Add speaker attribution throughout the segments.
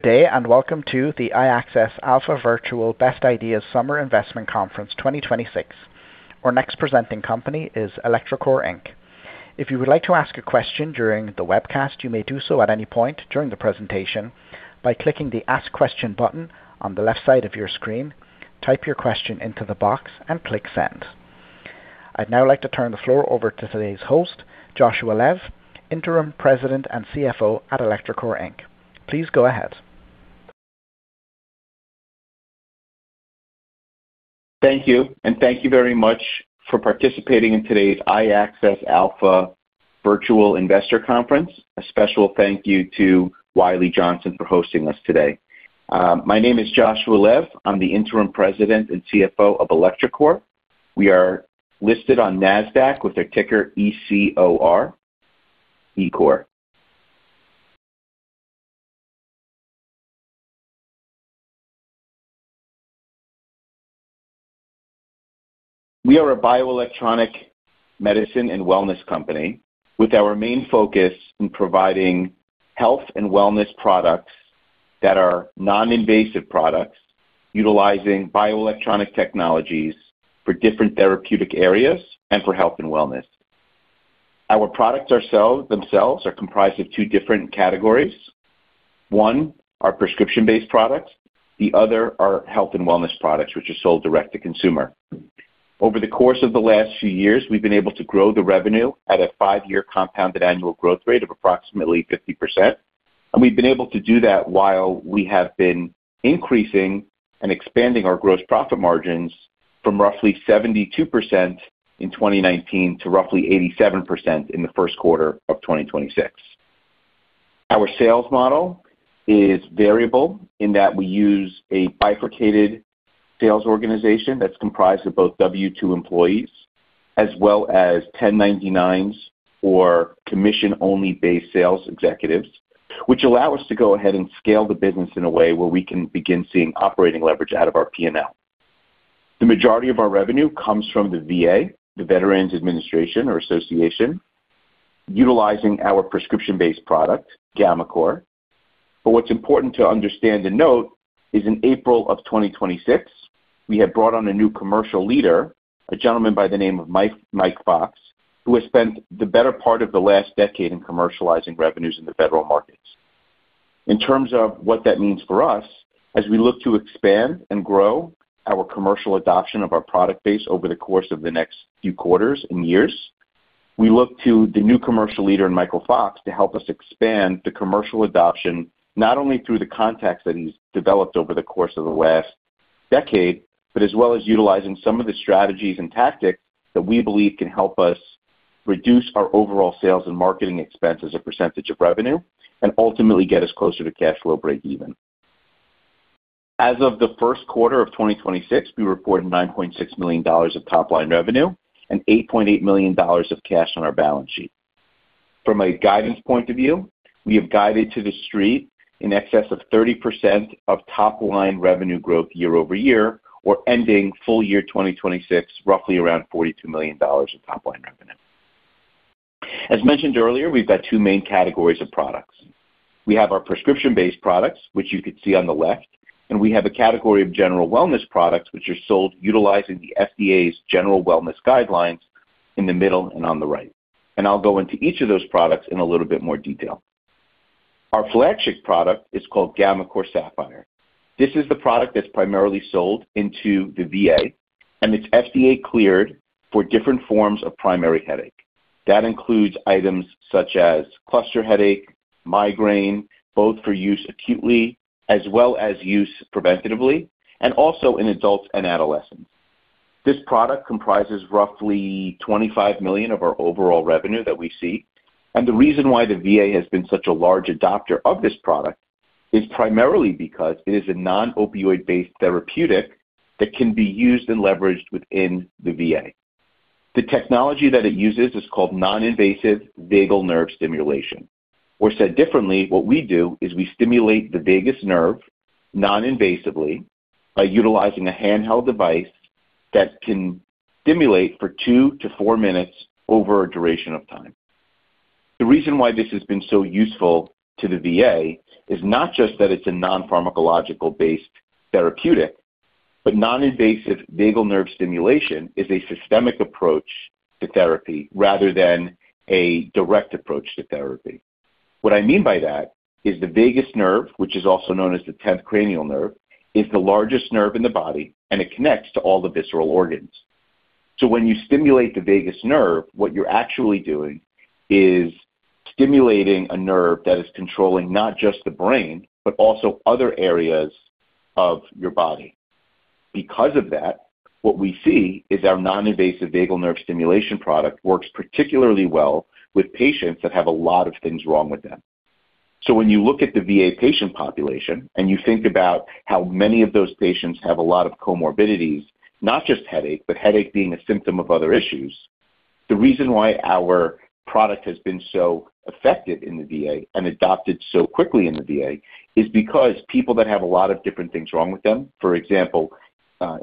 Speaker 1: Day, welcome to the iAccess Alpha Virtual Best Ideas Summer Investment Conference 2026. Our next presenting company is electroCore, Inc.. If you would like to ask a question during the webcast, you may do so at any point during the presentation by clicking the Ask Question button on the left side of your screen. Type your question into the box and click Send. I'd now like to turn the floor over to today's host, Joshua Lev, Interim President and CFO at electroCore, Inc.. Please go ahead.
Speaker 2: Thank you. Thank you very much for participating in today's iAccess Alpha Virtual Investor Conference. A special thank you to Wiley Johnson for hosting us today. My name is Joshua Lev. I'm the Interim President and CFO of electroCore. We are listed on Nasdaq with our ticker ECOR. We are a bioelectronic medicine and wellness company with our main focus in providing health and wellness products that are non-invasive products utilizing bioelectronic technologies for different therapeutic areas and for health and wellness. Our products themselves are comprised of two different categories. One, are prescription-based products. The other are health and wellness products, which are sold direct to consumer. Over the course of the last few years, we've been able to grow the revenue at a five-year compounded annual growth rate of approximately 50%, and we've been able to do that while we have been increasing and expanding our gross profit margins from roughly 72% in 2019 to roughly 87% in the first quarter of 2026. Our sales model is variable in that we use a bifurcated sales organization that's comprised of both W-2 employees as well as 1099s or commission-only based sales executives, which allow us to go ahead and scale the business in a way where we can begin seeing operating leverage out of our P&L. The majority of our revenue comes from the VA, the Veterans Administration or Association, utilizing our prescription-based product, gammaCore. What's important to understand and note is in April of 2026, we have brought on a new commercial leader, a gentleman by the name of Mike Fox, who has spent the better part of the last decade in commercializing revenues in the federal markets. In terms of what that means for us, as we look to expand and grow our commercial adoption of our product base over the course of the next few quarters and years, we look to the new commercial leader, Michael Fox, to help us expand the commercial adoption, not only through the contacts that he's developed over the course of the last decade, but as well as utilizing some of the strategies and tactics that we believe can help us reduce our overall sales and marketing expense as a percentage of revenue and ultimately get us closer to cash flow breakeven. As of the first quarter of 2026, we reported $9.6 million of top-line revenue and $8.8 million of cash on our balance sheet. From a guidance point of view, we have guided to the street in excess of 30% of top-line revenue growth year-over-year. We're ending full year 2026, roughly around $42 million in top-line revenue. As mentioned earlier, we've got two main categories of products. We have our prescription-based products, which you could see on the left, and we have a category of general wellness products which are sold utilizing the FDA's general wellness guidelines in the middle and on the right. I'll go into each of those products in a little bit more detail. Our flagship product is called gammaCore Sapphire. This is the product that's primarily sold into the VA, and it's FDA-cleared for different forms of primary headache. That includes items such as cluster headache, migraine, both for use acutely as well as use preventatively, and also in adults and adolescents. This product comprises roughly $25 million of our overall revenue that we see. The reason why the VA has been such a large adopter of this product is primarily because it is a non-opioid based therapeutic that can be used and leveraged within the VA. The technology that it uses is called non-invasive vagus nerve stimulation, or said differently, what we do is we stimulate the vagus nerve non-invasively by utilizing a handheld device that can stimulate for two to four minutes over a duration of time. The reason why this has been so useful to the VA is not just that it's a non-pharmacological based therapeutic, but non-invasive vagus nerve stimulation is a systemic approach to therapy rather than a direct approach to therapy. What I mean by that is the vagus nerve, which is also known as the 10th cranial nerve, is the largest nerve in the body, and it connects to all the visceral organs. When you stimulate the vagus nerve, what you're actually doing is stimulating a nerve that is controlling not just the brain, but also other areas of your body. Because of that, what we see is our non-invasive vagus nerve stimulation product works particularly well with patients that have a lot of things wrong with them. When you look at the VA patient population and you think about how many of those patients have a lot of comorbidities, not just headache, but headache being a symptom of other issues. The reason why our product has been so effective in the VA and adopted so quickly in the VA is because people that have a lot of different things wrong with them, for example,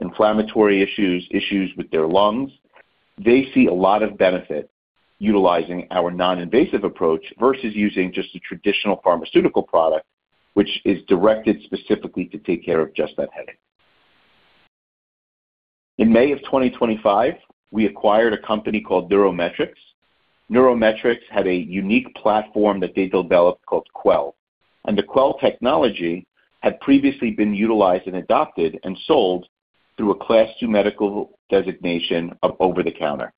Speaker 2: inflammatory issues with their lungs. They see a lot of benefit utilizing our non-invasive approach versus using just the traditional pharmaceutical product, which is directed specifically to take care of just that headache. In May of 2025, we acquired a company called NeuroMetrix. NeuroMetrix had a unique platform that they developed called Quell, and the Quell technology had previously been utilized and adopted and sold through a Class II medical designation of over-the-counter.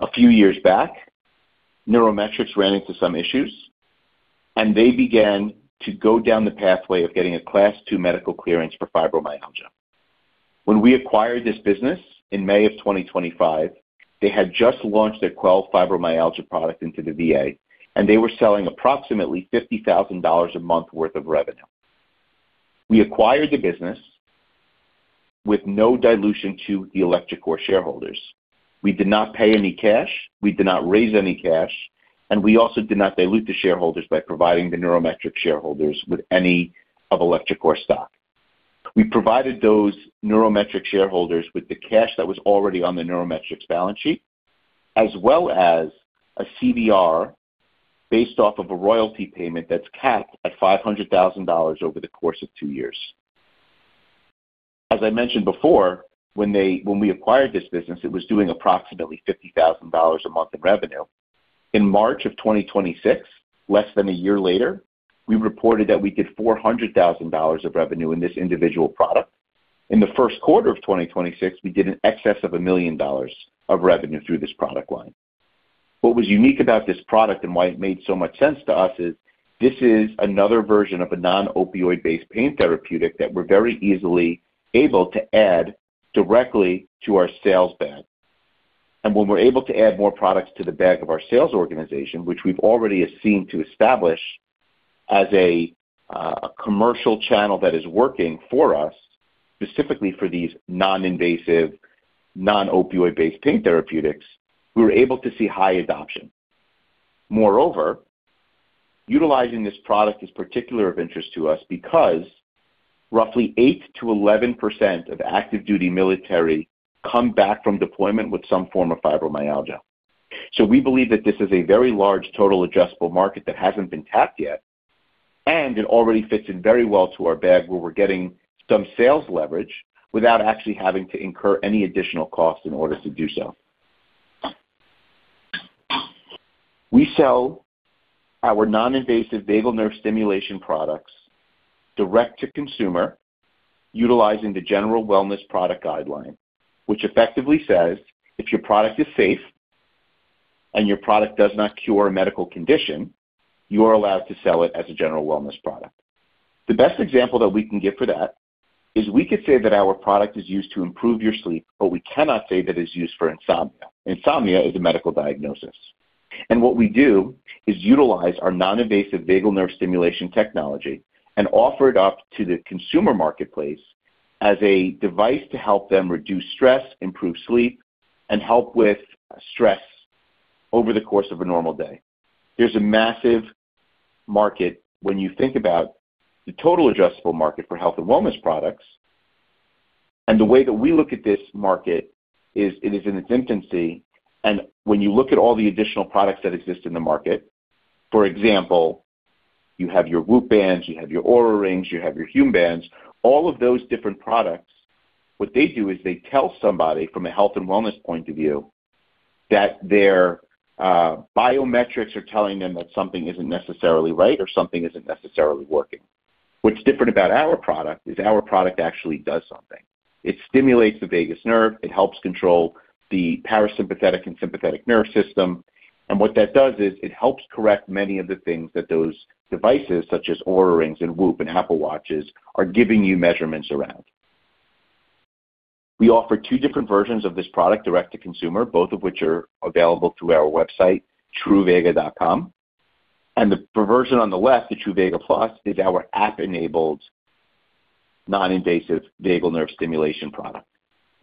Speaker 2: A few years back, NeuroMetrix ran into some issues, and they began to go down the pathway of getting a Class II medical clearance for fibromyalgia. When we acquired this business in May of 2025, they had just launched their Quell fibromyalgia product into the VA, and they were selling approximately $50,000 a month worth of revenue. We acquired the business with no dilution to the electroCore shareholders. We did not pay any cash, we did not raise any cash, and we also did not dilute the shareholders by providing the NeuroMetrix shareholders with any of electroCore stock. We provided those NeuroMetrix shareholders with the cash that was already on the NeuroMetrix balance sheet, as well as a CVR based off of a royalty payment that's capped at $500,000 over the course of two years. When we acquired this business, it was doing approximately $50,000 a month in revenue. In March of 2026, less than a year later, we reported that we did $400,000 of revenue in this individual product. In the first quarter of 2026, we did in excess of $1 million of revenue through this product line. What was unique about this product and why it made so much sense to us is, this is another version of a non-opioid based pain therapeutic that we're very easily able to add directly to our sales bag. When we're able to add more products to the bag of our sales organization, which we've already seen to establish as a commercial channel that is working for us, specifically for these non-invasive, non-opioid based pain therapeutics, we were able to see high adoption. Utilizing this product is particular of interest to us because roughly 8%-11% of active duty military come back from deployment with some form of fibromyalgia. We believe that this is a very large total addressable market that hasn't been tapped yet, and it already fits in very well to our bag, where we're getting some sales leverage without actually having to incur any additional cost in order to do so. We sell our non-invasive vagus nerve stimulation products direct to consumer, utilizing the general wellness product guideline, which effectively says, if your product is safe and your product does not cure a medical condition, you are allowed to sell it as a general wellness product. The best example that we can give for that is we could say that our product is used to improve your sleep, but we cannot say that it's used for insomnia. Insomnia is a medical diagnosis. What we do is utilize our non-invasive vagus nerve stimulation technology and offer it up to the consumer marketplace as a device to help them reduce stress, improve sleep, and help with stress over the course of a normal day. There's a massive market when you think about the total addressable market for health and wellness products, and the way that we look at this market is, it is in its infancy. When you look at all the additional products that exist in the market, for example, you have your WHOOP bands, you have your Oura Rings, you have your HoomBand. All of those different products, what they do is they tell somebody from a health and wellness point of view, that their biometrics are telling them that something isn't necessarily right or something isn't necessarily working. What's different about our product is our product actually does something. It stimulates the vagus nerve. It helps control the parasympathetic and sympathetic nervous system. What that does is it helps correct many of the things that those devices, such as Oura Ring and WHOOP and Apple Watches, are giving you measurements around. We offer two different versions of this product direct to consumer, both of which are available through our website, truvaga.com. The version on the left, the Truvaga Plus, is our app-enabled, non-invasive vagal nerve stimulation product.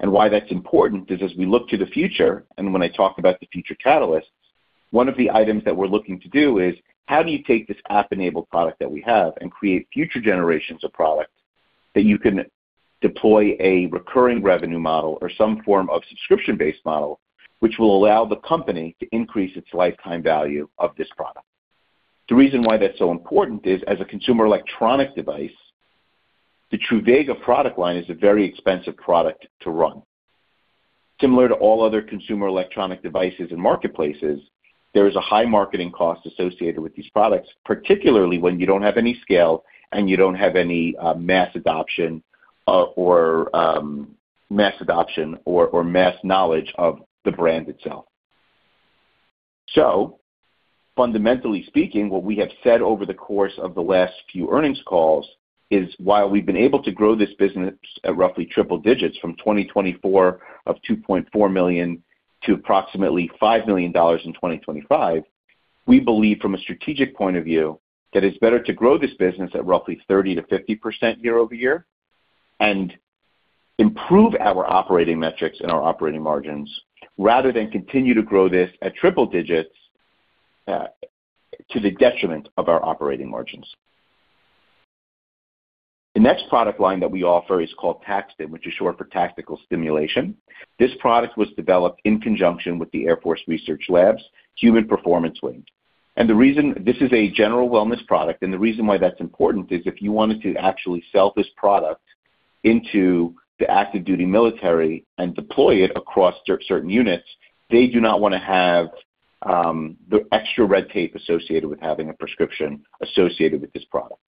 Speaker 2: Why that's important is as we look to the future, and when I talk about the future catalysts, one of the items that we're looking to do is, how do you take this app-enabled product that we have and create future generations of product that you can deploy a recurring revenue model or some form of subscription-based model, which will allow the company to increase its lifetime value of this product. The reason why that's so important is, as a consumer electronic device, the Truvaga product line is a very expensive product to run. Similar to all other consumer electronic devices and marketplaces, there is a high marketing cost associated with these products, particularly when you don't have any scale and you don't have any mass adoption or mass knowledge of the brand itself. Fundamentally speaking, what we have said over the course of the last few earnings calls is, while we've been able to grow this business at roughly triple digits from 2024 of $2.4 million to approximately $5 million in 2025, we believe from a strategic point of view that it's better to grow this business at roughly 30%-50% year-over-year and improve our operating metrics and our operating margins rather than continue to grow this at triple digits, to the detriment of our operating margins. The next product line that we offer is called TAC-STIM, which is short for tactical stimulation. This product was developed in conjunction with the Air Force Research Laboratory, human performance wing. This is a general wellness product, and the reason why that's important is if you wanted to actually sell this product into the active duty military and deploy it across certain units, they do not want to have the extra red tape associated with having a prescription associated with this product.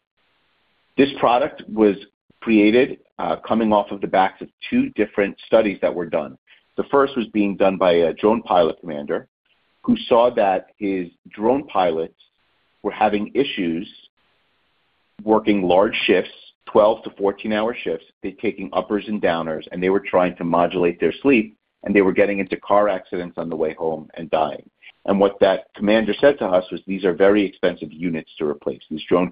Speaker 2: This product was created, coming off of the backs of two different studies that were done. The first was being done by a drone pilot commander who saw that his drone pilots were having issues working large shifts, 12-14-hour shifts. They're taking uppers and downers, and they were trying to modulate their sleep, and they were getting into car accidents on the way home and dying. What that commander said to us was, "These are very expensive units to replace. These drone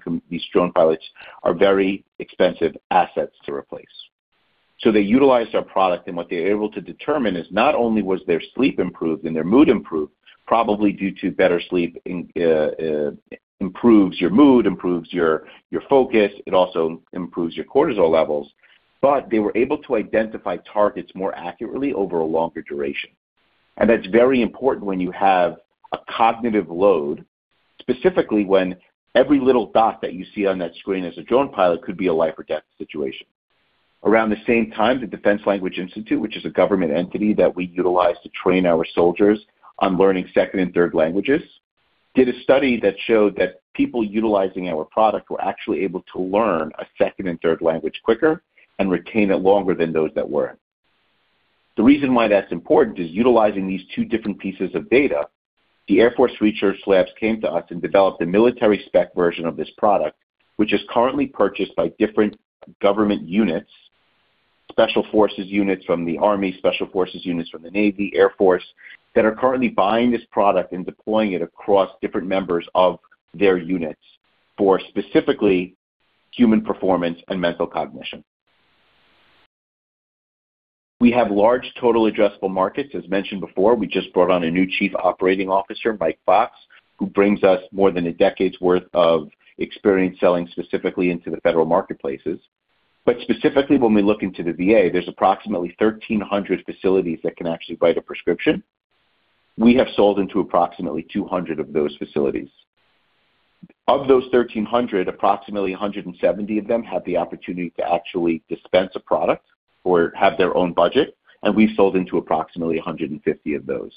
Speaker 2: pilots are very expensive assets to replace." They utilized our product, and what they were able to determine is not only was their sleep improved and their mood improved, probably due to better sleep improves your mood, improves your focus, it also improves your cortisol levels. They were able to identify targets more accurately over a longer duration. That's very important when you have a cognitive load, specifically when every little dot that you see on that screen as a drone pilot could be a life or death situation. Around the same time, the Defense Language Institute, which is a government entity that we utilize to train our soldiers on learning second and third languages, did a study that showed that people utilizing our product were actually able to learn a second and third language quicker and retain it longer than those that weren't. The reason why that's important is utilizing these two different pieces of data, the Air Force Research Labs came to us and developed a military spec version of this product, which is currently purchased by different government units, special forces units from the Army, special forces units from the Navy, Air Force, that are currently buying this product and deploying it across different members of their units for specifically human performance and mental cognition. We have large total addressable markets. As mentioned before, we just brought on a new Chief Operating Officer, Mike Fox, who brings us more than a decade's worth of experience selling specifically into the federal marketplaces. Specifically, when we look into the VA, there's approximately 1,300 facilities that can actually write a prescription. We have sold into approximately 200 of those facilities. Of those 1,300, approximately 170 of them had the opportunity to actually dispense a product or have their own budget, and we've sold into approximately 150 of those.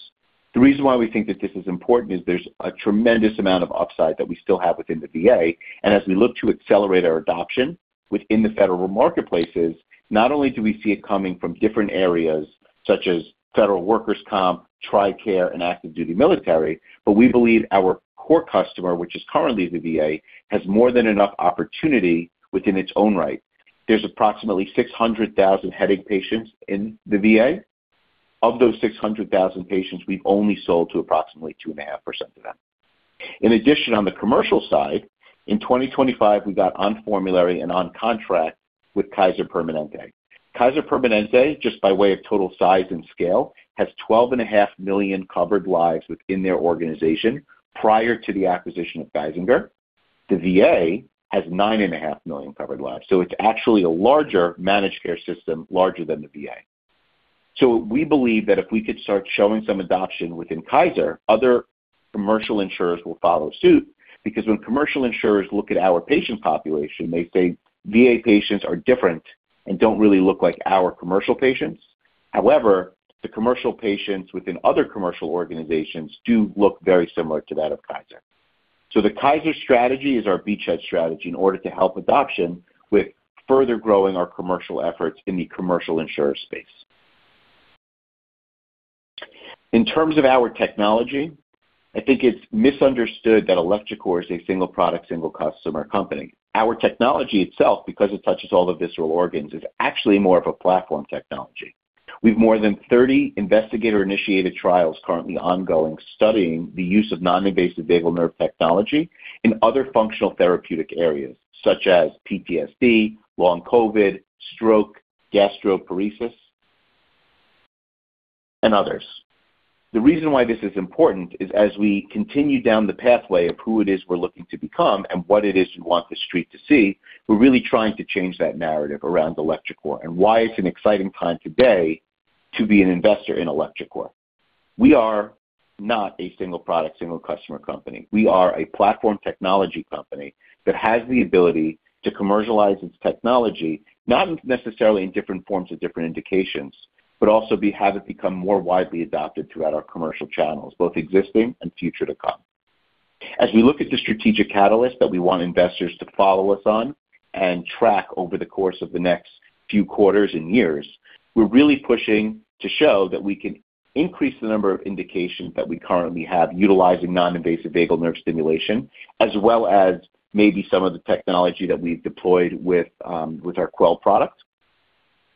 Speaker 2: The reason why we think that this is important is there's a tremendous amount of upside that we still have within the VA. As we look to accelerate our adoption within the federal marketplaces, not only do we see it coming from different areas such as federal workers comp, TRICARE, and active duty military, but we believe our core customer, which is currently the VA, has more than enough opportunity within its own right. There's approximately 600,000 headache patients in the VA. Of those 600,000 patients, we've only sold to approximately 2.5% of them. In addition, on the commercial side, in 2025, we got on formulary and on contract with Kaiser Permanente. Kaiser Permanente, just by way of total size and scale, has 12.5 million covered lives within their organization prior to the acquisition of Geisinger. The VA has 9.5 million covered lives. It's actually a larger managed care system, larger than the VA. We believe that if we could start showing some adoption within Kaiser, other commercial insurers will follow suit, because when commercial insurers look at our patient population, they say VA patients are different and don't really look like our commercial patients. However, the commercial patients within other commercial organizations do look very similar to that of Kaiser. The Kaiser strategy is our beachhead strategy in order to help adoption with further growing our commercial efforts in the commercial insurer space. In terms of our technology, I think it's misunderstood that electroCore is a single product, single customer company. Our technology itself, because it touches all the visceral organs, is actually more of a platform technology. We've more than 30 investigator-initiated trials currently ongoing, studying the use of non-invasive vagal nerve technology in other functional therapeutic areas such as PTSD, long COVID, stroke, gastroparesis, and others. The reason why this is important is as we continue down the pathway of who it is we're looking to become and what it is we want The Street to see, we're really trying to change that narrative around electroCore and why it's an exciting time today to be an investor in electroCore. We are not a single product, single customer company. We are a platform technology company that has the ability to commercialize its technology, not necessarily in different forms of different indications, but also have it become more widely adopted throughout our commercial channels, both existing and future to come. As we look at the strategic catalyst that we want investors to follow us on and track over the course of the next few quarters and years, we're really pushing to show that we can increase the number of indications that we currently have utilizing non-invasive vagus nerve stimulation, as well as maybe some of the technology that we've deployed with our Quell product.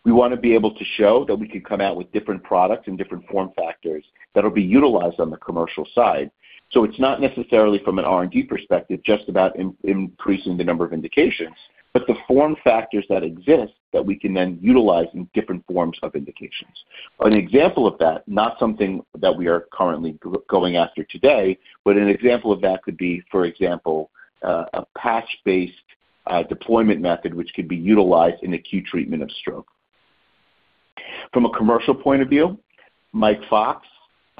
Speaker 2: We want to be able to show that we can come out with different products and different form factors that will be utilized on the commercial side. It's not necessarily from an R&D perspective, just about increasing the number of indications, but the form factors that exist that we can then utilize in different forms of indications. An example of that, not something that we are currently going after today, but an example of that could be, for example, a patch-based deployment method which could be utilized in acute treatment of stroke. From a commercial point of view, Mike Fox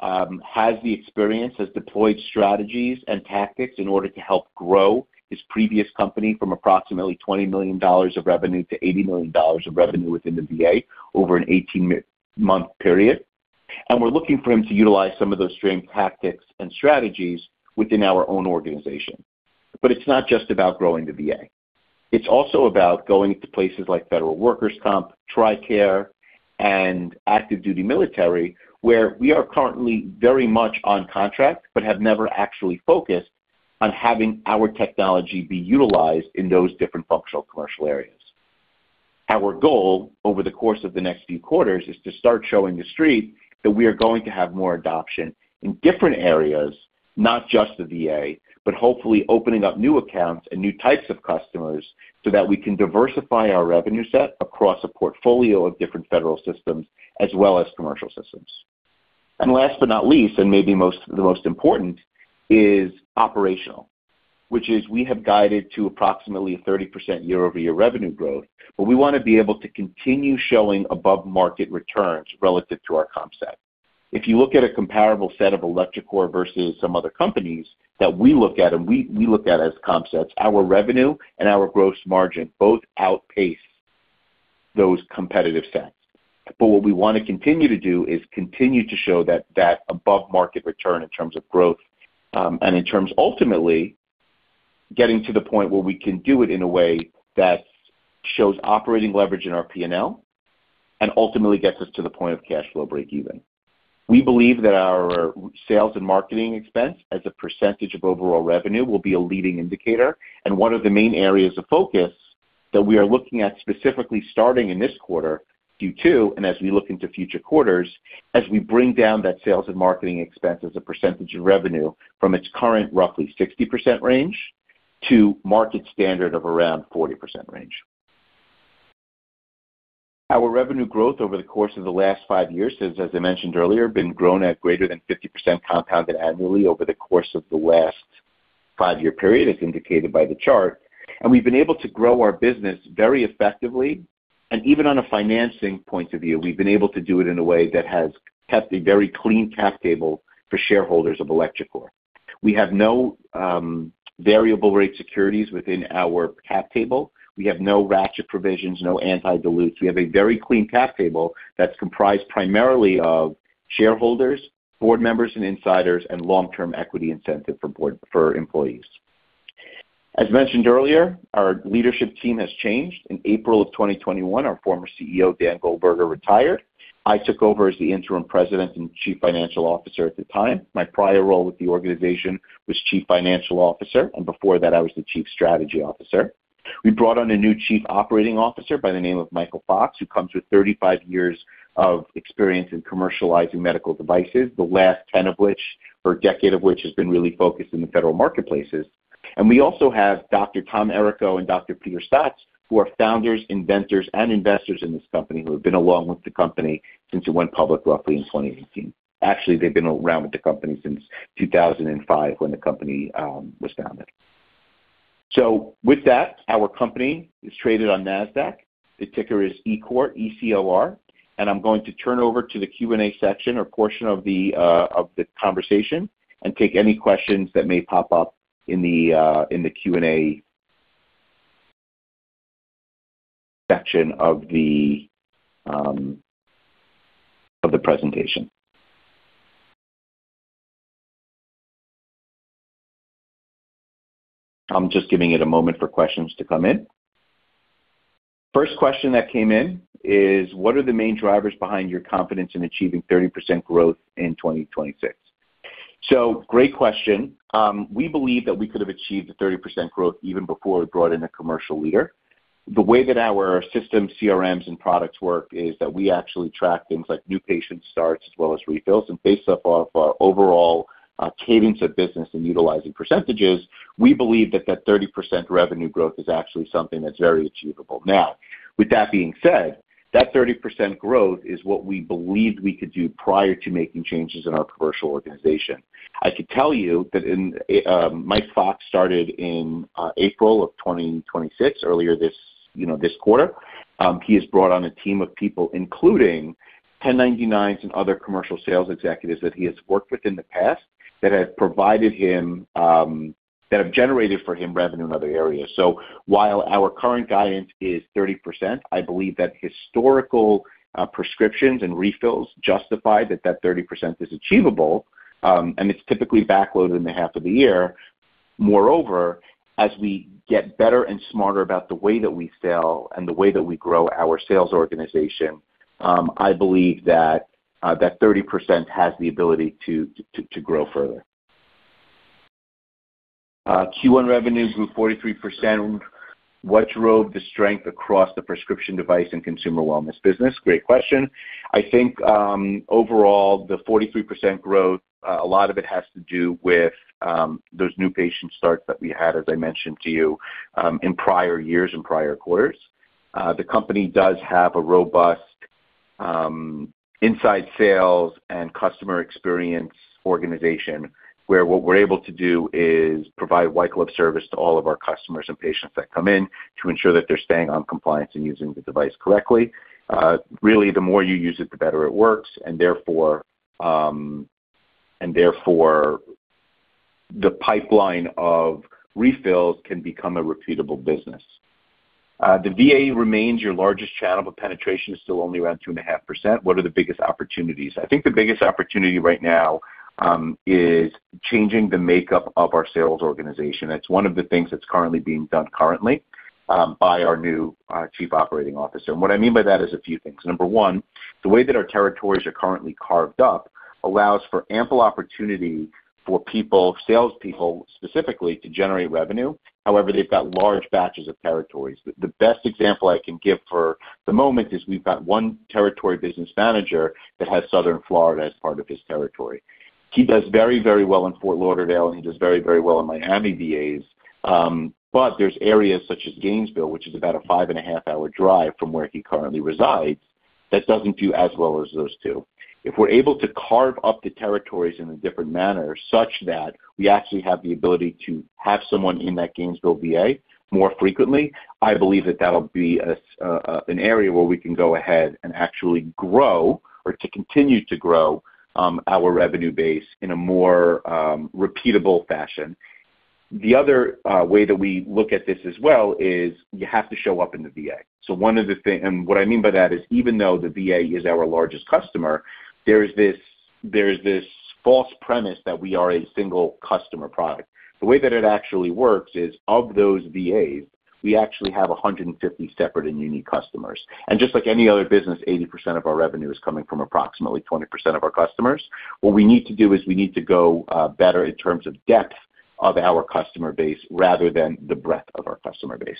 Speaker 2: has the experience, has deployed strategies and tactics in order to help grow his previous company from approximately $20 million of revenue to $80 million of revenue within the VA over an 18-month period. We're looking for him to utilize some of those same tactics and strategies within our own organization. It's not just about growing the VA. It's also about going to places like Federal Workers Comp, TRICARE, and active duty military, where we are currently very much on contract but have never actually focused on having our technology be utilized in those different functional commercial areas. Our goal over the course of the next few quarters is to start showing the street that we are going to have more adoption in different areas, not just the VA, but hopefully opening up new accounts and new types of customers so that we can diversify our revenue set across a portfolio of different federal systems as well as commercial systems. Last but not least, and maybe the most important, is operational, which is we have guided to approximately a 30% year-over-year revenue growth, but we want to be able to continue showing above-market returns relative to our comp set. If you look at a comparable set of electroCore versus some other companies that we look at, and we look at as comp sets, our revenue and our gross margin both outpace those competitive sets. What we want to continue to do is continue to show that above-market return in terms of growth, and in terms ultimately, getting to the point where we can do it in a way that shows operating leverage in our P&L and ultimately gets us to the point of cash flow breakeven. We believe that our sales and marketing expense as a percentage of overall revenue will be a leading indicator and one of the main areas of focus that we are looking at specifically starting in this quarter, Q2, and as we look into future quarters, as we bring down that sales and marketing expense as a percentage of revenue from its current roughly 60% range to market standard of around 40% range. Our revenue growth over the course of the last five years has, as I mentioned earlier, been growing at greater than 50% compounded annually over the course of the last five-year period, as indicated by the chart. We've been able to grow our business very effectively. Even on a financing point of view, we've been able to do it in a way that has kept a very clean cap table for shareholders of electroCore. We have no variable rate securities within our cap table. We have no ratchet provisions, no anti-dilutes. We have a very clean cap table that's comprised primarily of shareholders, board members and insiders, and long-term equity incentive for employees. As mentioned earlier, our leadership team has changed. In April of 2021, our former CEO, Dan Goldberger, retired. I took over as the Interim President and Chief Financial Officer at the time. My prior role with the organization was Chief Financial Officer, and before that, I was the Chief Strategy Officer. We brought on a new Chief Operating Officer by the name of Michael Fox, who comes with 35 years of experience in commercializing medical devices, the last 10 of which, or a decade of which, has been really focused in the federal marketplaces. We also have Dr. Tom Errico and Dr. Peter Staats, who are founders, inventors, and investors in this company who have been along with the company since it went public roughly in 2018. Actually, they've been around with the company since 2005 when the company was founded. With that, our company is traded on Nasdaq. The ticker is ECOR, E-C-O-R. I'm going to turn over to the Q&A section or portion of the conversation and take any questions that may pop up in the Q&A section of the presentation. I'm just giving it a moment for questions to come in. First question that came in is, "What are the main drivers behind your confidence in achieving 30% growth in 2026?" Great question. We believe that we could have achieved the 30% growth even before we brought in a commercial leader. The way that our system CRMs and products work is that we actually track things like new patient starts as well as refills. Based off of our overall cadence of business and utilizing percentages, we believe that that 30% revenue growth is actually something that's very achievable. With that being said, that 30% growth is what we believed we could do prior to making changes in our commercial organization. I could tell you that Mike Fox started in April of 2026, earlier this quarter. He has brought on a team of people, including 1099s and other commercial sales executives that he has worked with in the past that have provided him, that have generated for him revenue in other areas. While our current guidance is 30%, I believe that historical prescriptions and refills justify that 30% is achievable, and it's typically backloaded in the half of the year. Moreover, as we get better and smarter about the way that we sell and the way that we grow our sales organization, I believe that 30% has the ability to grow further. "Q1 revenues grew 43%. What drove the strength across the prescription device and consumer wellness business?" Great question. I think, overall, the 43% growth, a lot of it has to do with those new patient starts that we had, as I mentioned to you, in prior years and prior quarters. The company does have a robust Inside sales and customer experience organization where what we're able to do is provide white glove service to all of our customers and patients that come in to ensure that they're staying on compliance and using the device correctly. Really, the more you use it, the better it works, and therefore, the pipeline of refills can become a repeatable business. The VA remains your largest channel, but penetration is still only around 2.5%. What are the biggest opportunities? I think the biggest opportunity right now is changing the makeup of our sales organization. That's one of the things that's currently being done by our new Chief Operating Officer. What I mean by that is a few things. Number one, the way that our territories are currently carved up allows for ample opportunity for people, salespeople specifically, to generate revenue. However, they've got large batches of territories. The best example I can give for the moment is we've got one territory business manager that has Southern Florida as part of his territory. He does very well in Fort Lauderdale, and he does very well in Miami VAs. There's areas such as Gainesville, which is about a five-and-a-half-hour drive from where he currently resides, that doesn't do as well as those two. If we're able to carve up the territories in a different manner such that we actually have the ability to have someone in that Gainesville VA more frequently, I believe that'll be an area where we can go ahead and actually grow or to continue to grow, our revenue base in a more repeatable fashion. The other way that we look at this as well is you have to show up in the VA. What I mean by that is, even though the VA is our largest customer, there's this false premise that we are a single customer product. The way that it actually works is, of those VAs, we actually have 150 separate and unique customers. Just like any other business, 80% of our revenue is coming from approximately 20% of our customers. What we need to do is we need to go better in terms of depth of our customer base rather than the breadth of our customer base.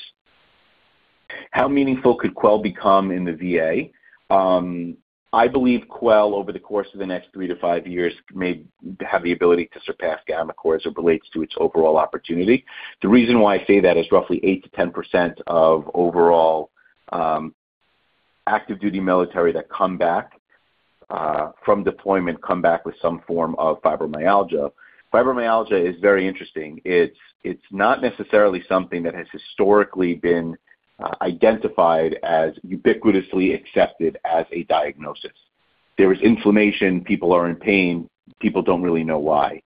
Speaker 2: How meaningful could Quell become in the VA? I believe Quell, over the course of the next three to five years, may have the ability to surpass gammaCore as it relates to its overall opportunity. The reason why I say that is roughly 8%-10% of overall active duty military that come back from deployment come back with some form of fibromyalgia. Fibromyalgia is very interesting. It's not necessarily something that has historically been identified as ubiquitously accepted as a diagnosis. There is inflammation. People are in pain. People don't really know why.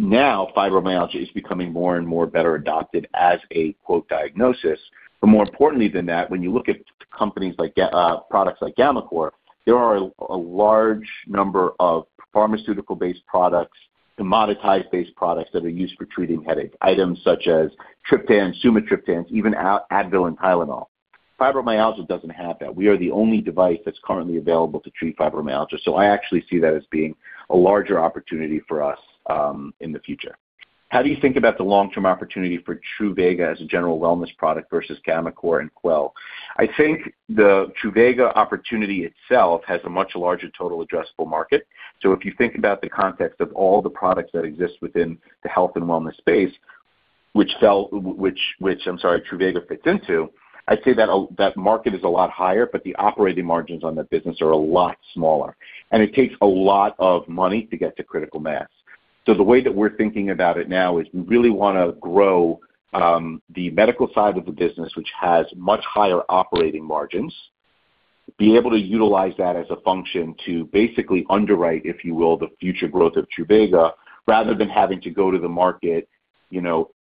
Speaker 2: Now, fibromyalgia is becoming more and more better adopted as a quote, diagnosis. More importantly than that, when you look at products like gammaCore, there are a large number of pharmaceutical-based products, commoditized-based products that are used for treating headache. Items such as triptans, sumatriptans, even Advil, and Tylenol. Fibromyalgia doesn't have that. We are the only device that's currently available to treat fibromyalgia. I actually see that as being a larger opportunity for us in the future. How do you think about the long-term opportunity for Truvaga as a general wellness product versus gammaCore and Quell? I think the Truvaga opportunity itself has a much larger total addressable market. If you think about the context of all the products that exist within the health and wellness space, which, I'm sorry, Truvaga fits into, I'd say that market is a lot higher, but the operating margins on that business are a lot smaller, and it takes a lot of money to get to critical mass. The way that we're thinking about it now is we really want to grow the medical side of the business, which has much higher operating margins, be able to utilize that as a function to basically underwrite, if you will, the future growth of Truvaga, rather than having to go to the market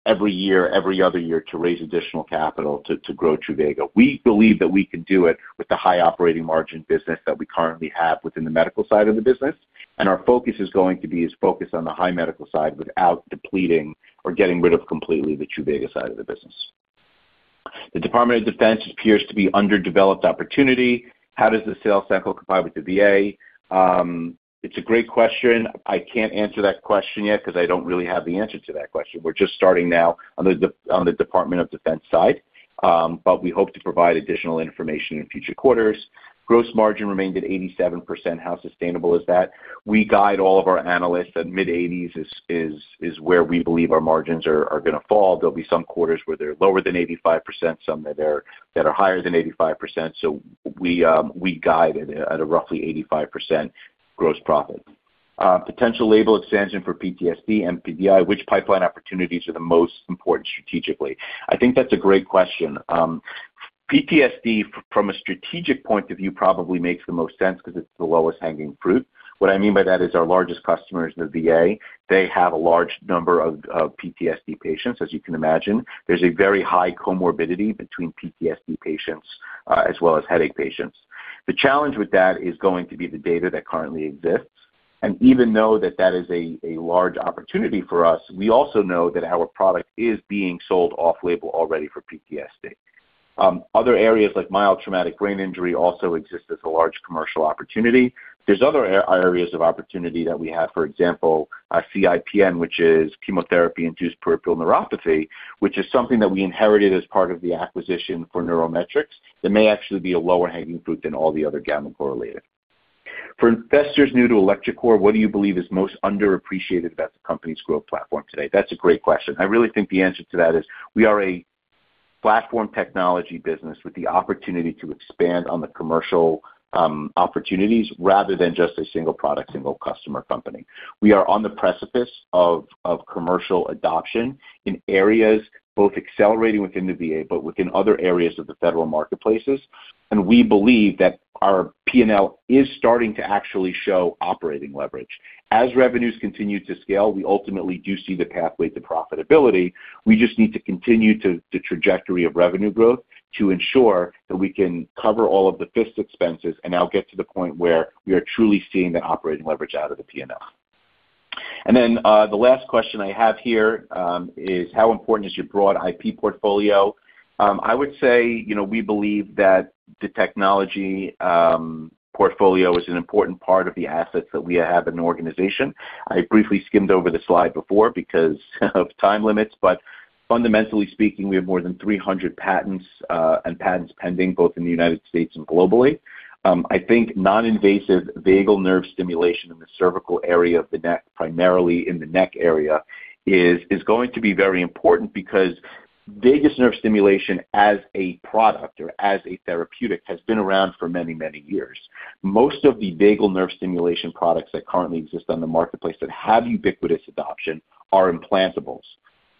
Speaker 2: every year or every other year to raise additional capital to grow Truvaga. We believe that we can do it with the high operating margin business that we currently have within the medical side of the business, Our focus is going to be as focused on the high medical side without depleting or getting rid of completely the Truvaga side of the business. The Department of Defense appears to be underdeveloped opportunity. How does the sales cycle comply with the VA? It's a great question. I can't answer that question yet because I don't really have the answer to that question. We're just starting now on the Department of Defense side, but we hope to provide additional information in future quarters. Gross margin remained at 87%. How sustainable is that? We guide all of our analysts that mid-80s is where we believe our margins are going to fall. There'll be some quarters where they're lower than 85%, some that are higher than 85%, we guide at a roughly 85% gross profit. Potential label expansion for PTSD and TBI. Which pipeline opportunities are the most important strategically? I think that's a great question. PTSD, from a strategic point of view, probably makes the most sense because it's the lowest hanging fruit. What I mean by that is our largest customer is the VA. They have a large number of PTSD patients, as you can imagine. There's a very high comorbidity between PTSD patients as well as headache patients. The challenge with that is going to be the data that currently exists. Even though that is a large opportunity for us, we also know that our product is being sold off-label already for PTSD. Other areas like mild traumatic brain injury also exist as a large commercial opportunity. There's other areas of opportunity that we have. For example, CIPN, which is chemotherapy-induced peripheral neuropathy, which is something that we inherited as part of the acquisition for NeuroMetrix. That may actually be a lower hanging fruit than all the other gammaCore related. For investors new to electroCore, what do you believe is most underappreciated about the company's growth platform today? That's a great question. I really think the answer to that is we are a platform technology business with the opportunity to expand on the commercial opportunities rather than just a single product, single customer company. We are on the precipice of commercial adoption in areas both accelerating within the VA, but within other areas of the federal marketplaces. We believe that our P&L is starting to actually show operating leverage. As revenues continue to scale, we ultimately do see the pathway to profitability. We just need to continue the trajectory of revenue growth to ensure that we can cover all of the fixed expenses and now get to the point where we are truly seeing the operating leverage out of the P&L. Then, the last question I have here is how important is your broad IP portfolio? I would say, we believe that the technology portfolio is an important part of the assets that we have in the organization. I briefly skimmed over the slide before because of time limits. Fundamentally speaking, we have more than 300 patents, and patents pending both in the United States and globally. I think non-invasive vagus nerve stimulation in the cervical area of the neck, primarily in the neck area, is going to be very important because vagus nerve stimulation as a product or as a therapeutic has been around for many years. Most of the vagus nerve stimulation products that currently exist on the marketplace that have ubiquitous adoption are implantables.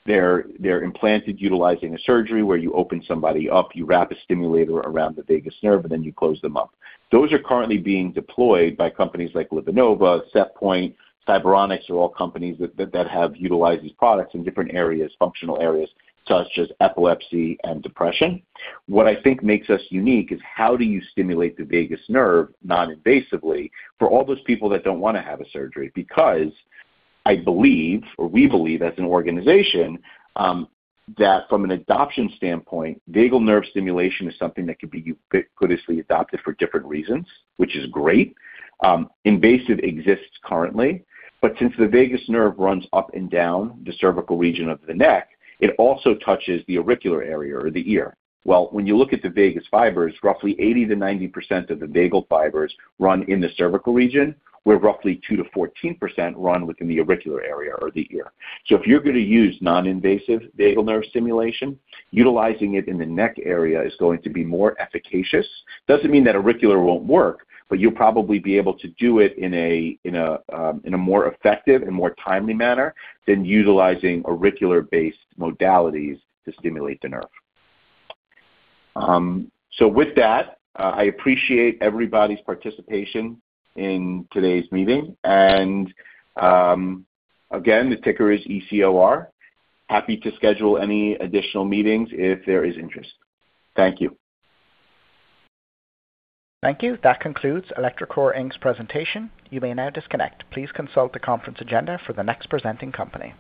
Speaker 2: They're implanted utilizing a surgery where you open somebody up, you wrap a stimulator around the vagus nerve, then you close them up. Those are currently being deployed by companies like LivaNova, SetPoint, Cyberonics, are all companies that have utilized these products in different areas, functional areas such as epilepsy and depression. What I think makes us unique is how do you stimulate the vagus nerve non-invasively for all those people that don't want to have a surgery? Because I believe, or we believe as an organization, that from an adoption standpoint, vagus nerve stimulation is something that could be ubiquitously adopted for different reasons, which is great. Invasive exists currently, since the vagus nerve runs up and down the cervical region of the neck, it also touches the auricular area or the ear. Well, when you look at the vagus fibers, roughly 80%-90% of the vagal fibers run in the cervical region, where roughly 2%-14% run within the auricular area or the ear. If you're going to use non-invasive vagal nerve stimulation, utilizing it in the neck area is going to be more efficacious. Doesn't mean that auricular won't work, but you'll probably be able to do it in a more effective and more timely manner than utilizing auricular-based modalities to stimulate the nerve. With that, I appreciate everybody's participation in today's meeting. Again, the ticker is ECOR. Happy to schedule any additional meetings if there is interest. Thank you.
Speaker 1: Thank you. That concludes electroCore, Inc.'s presentation. You may now disconnect. Please consult the conference agenda for the next presenting company.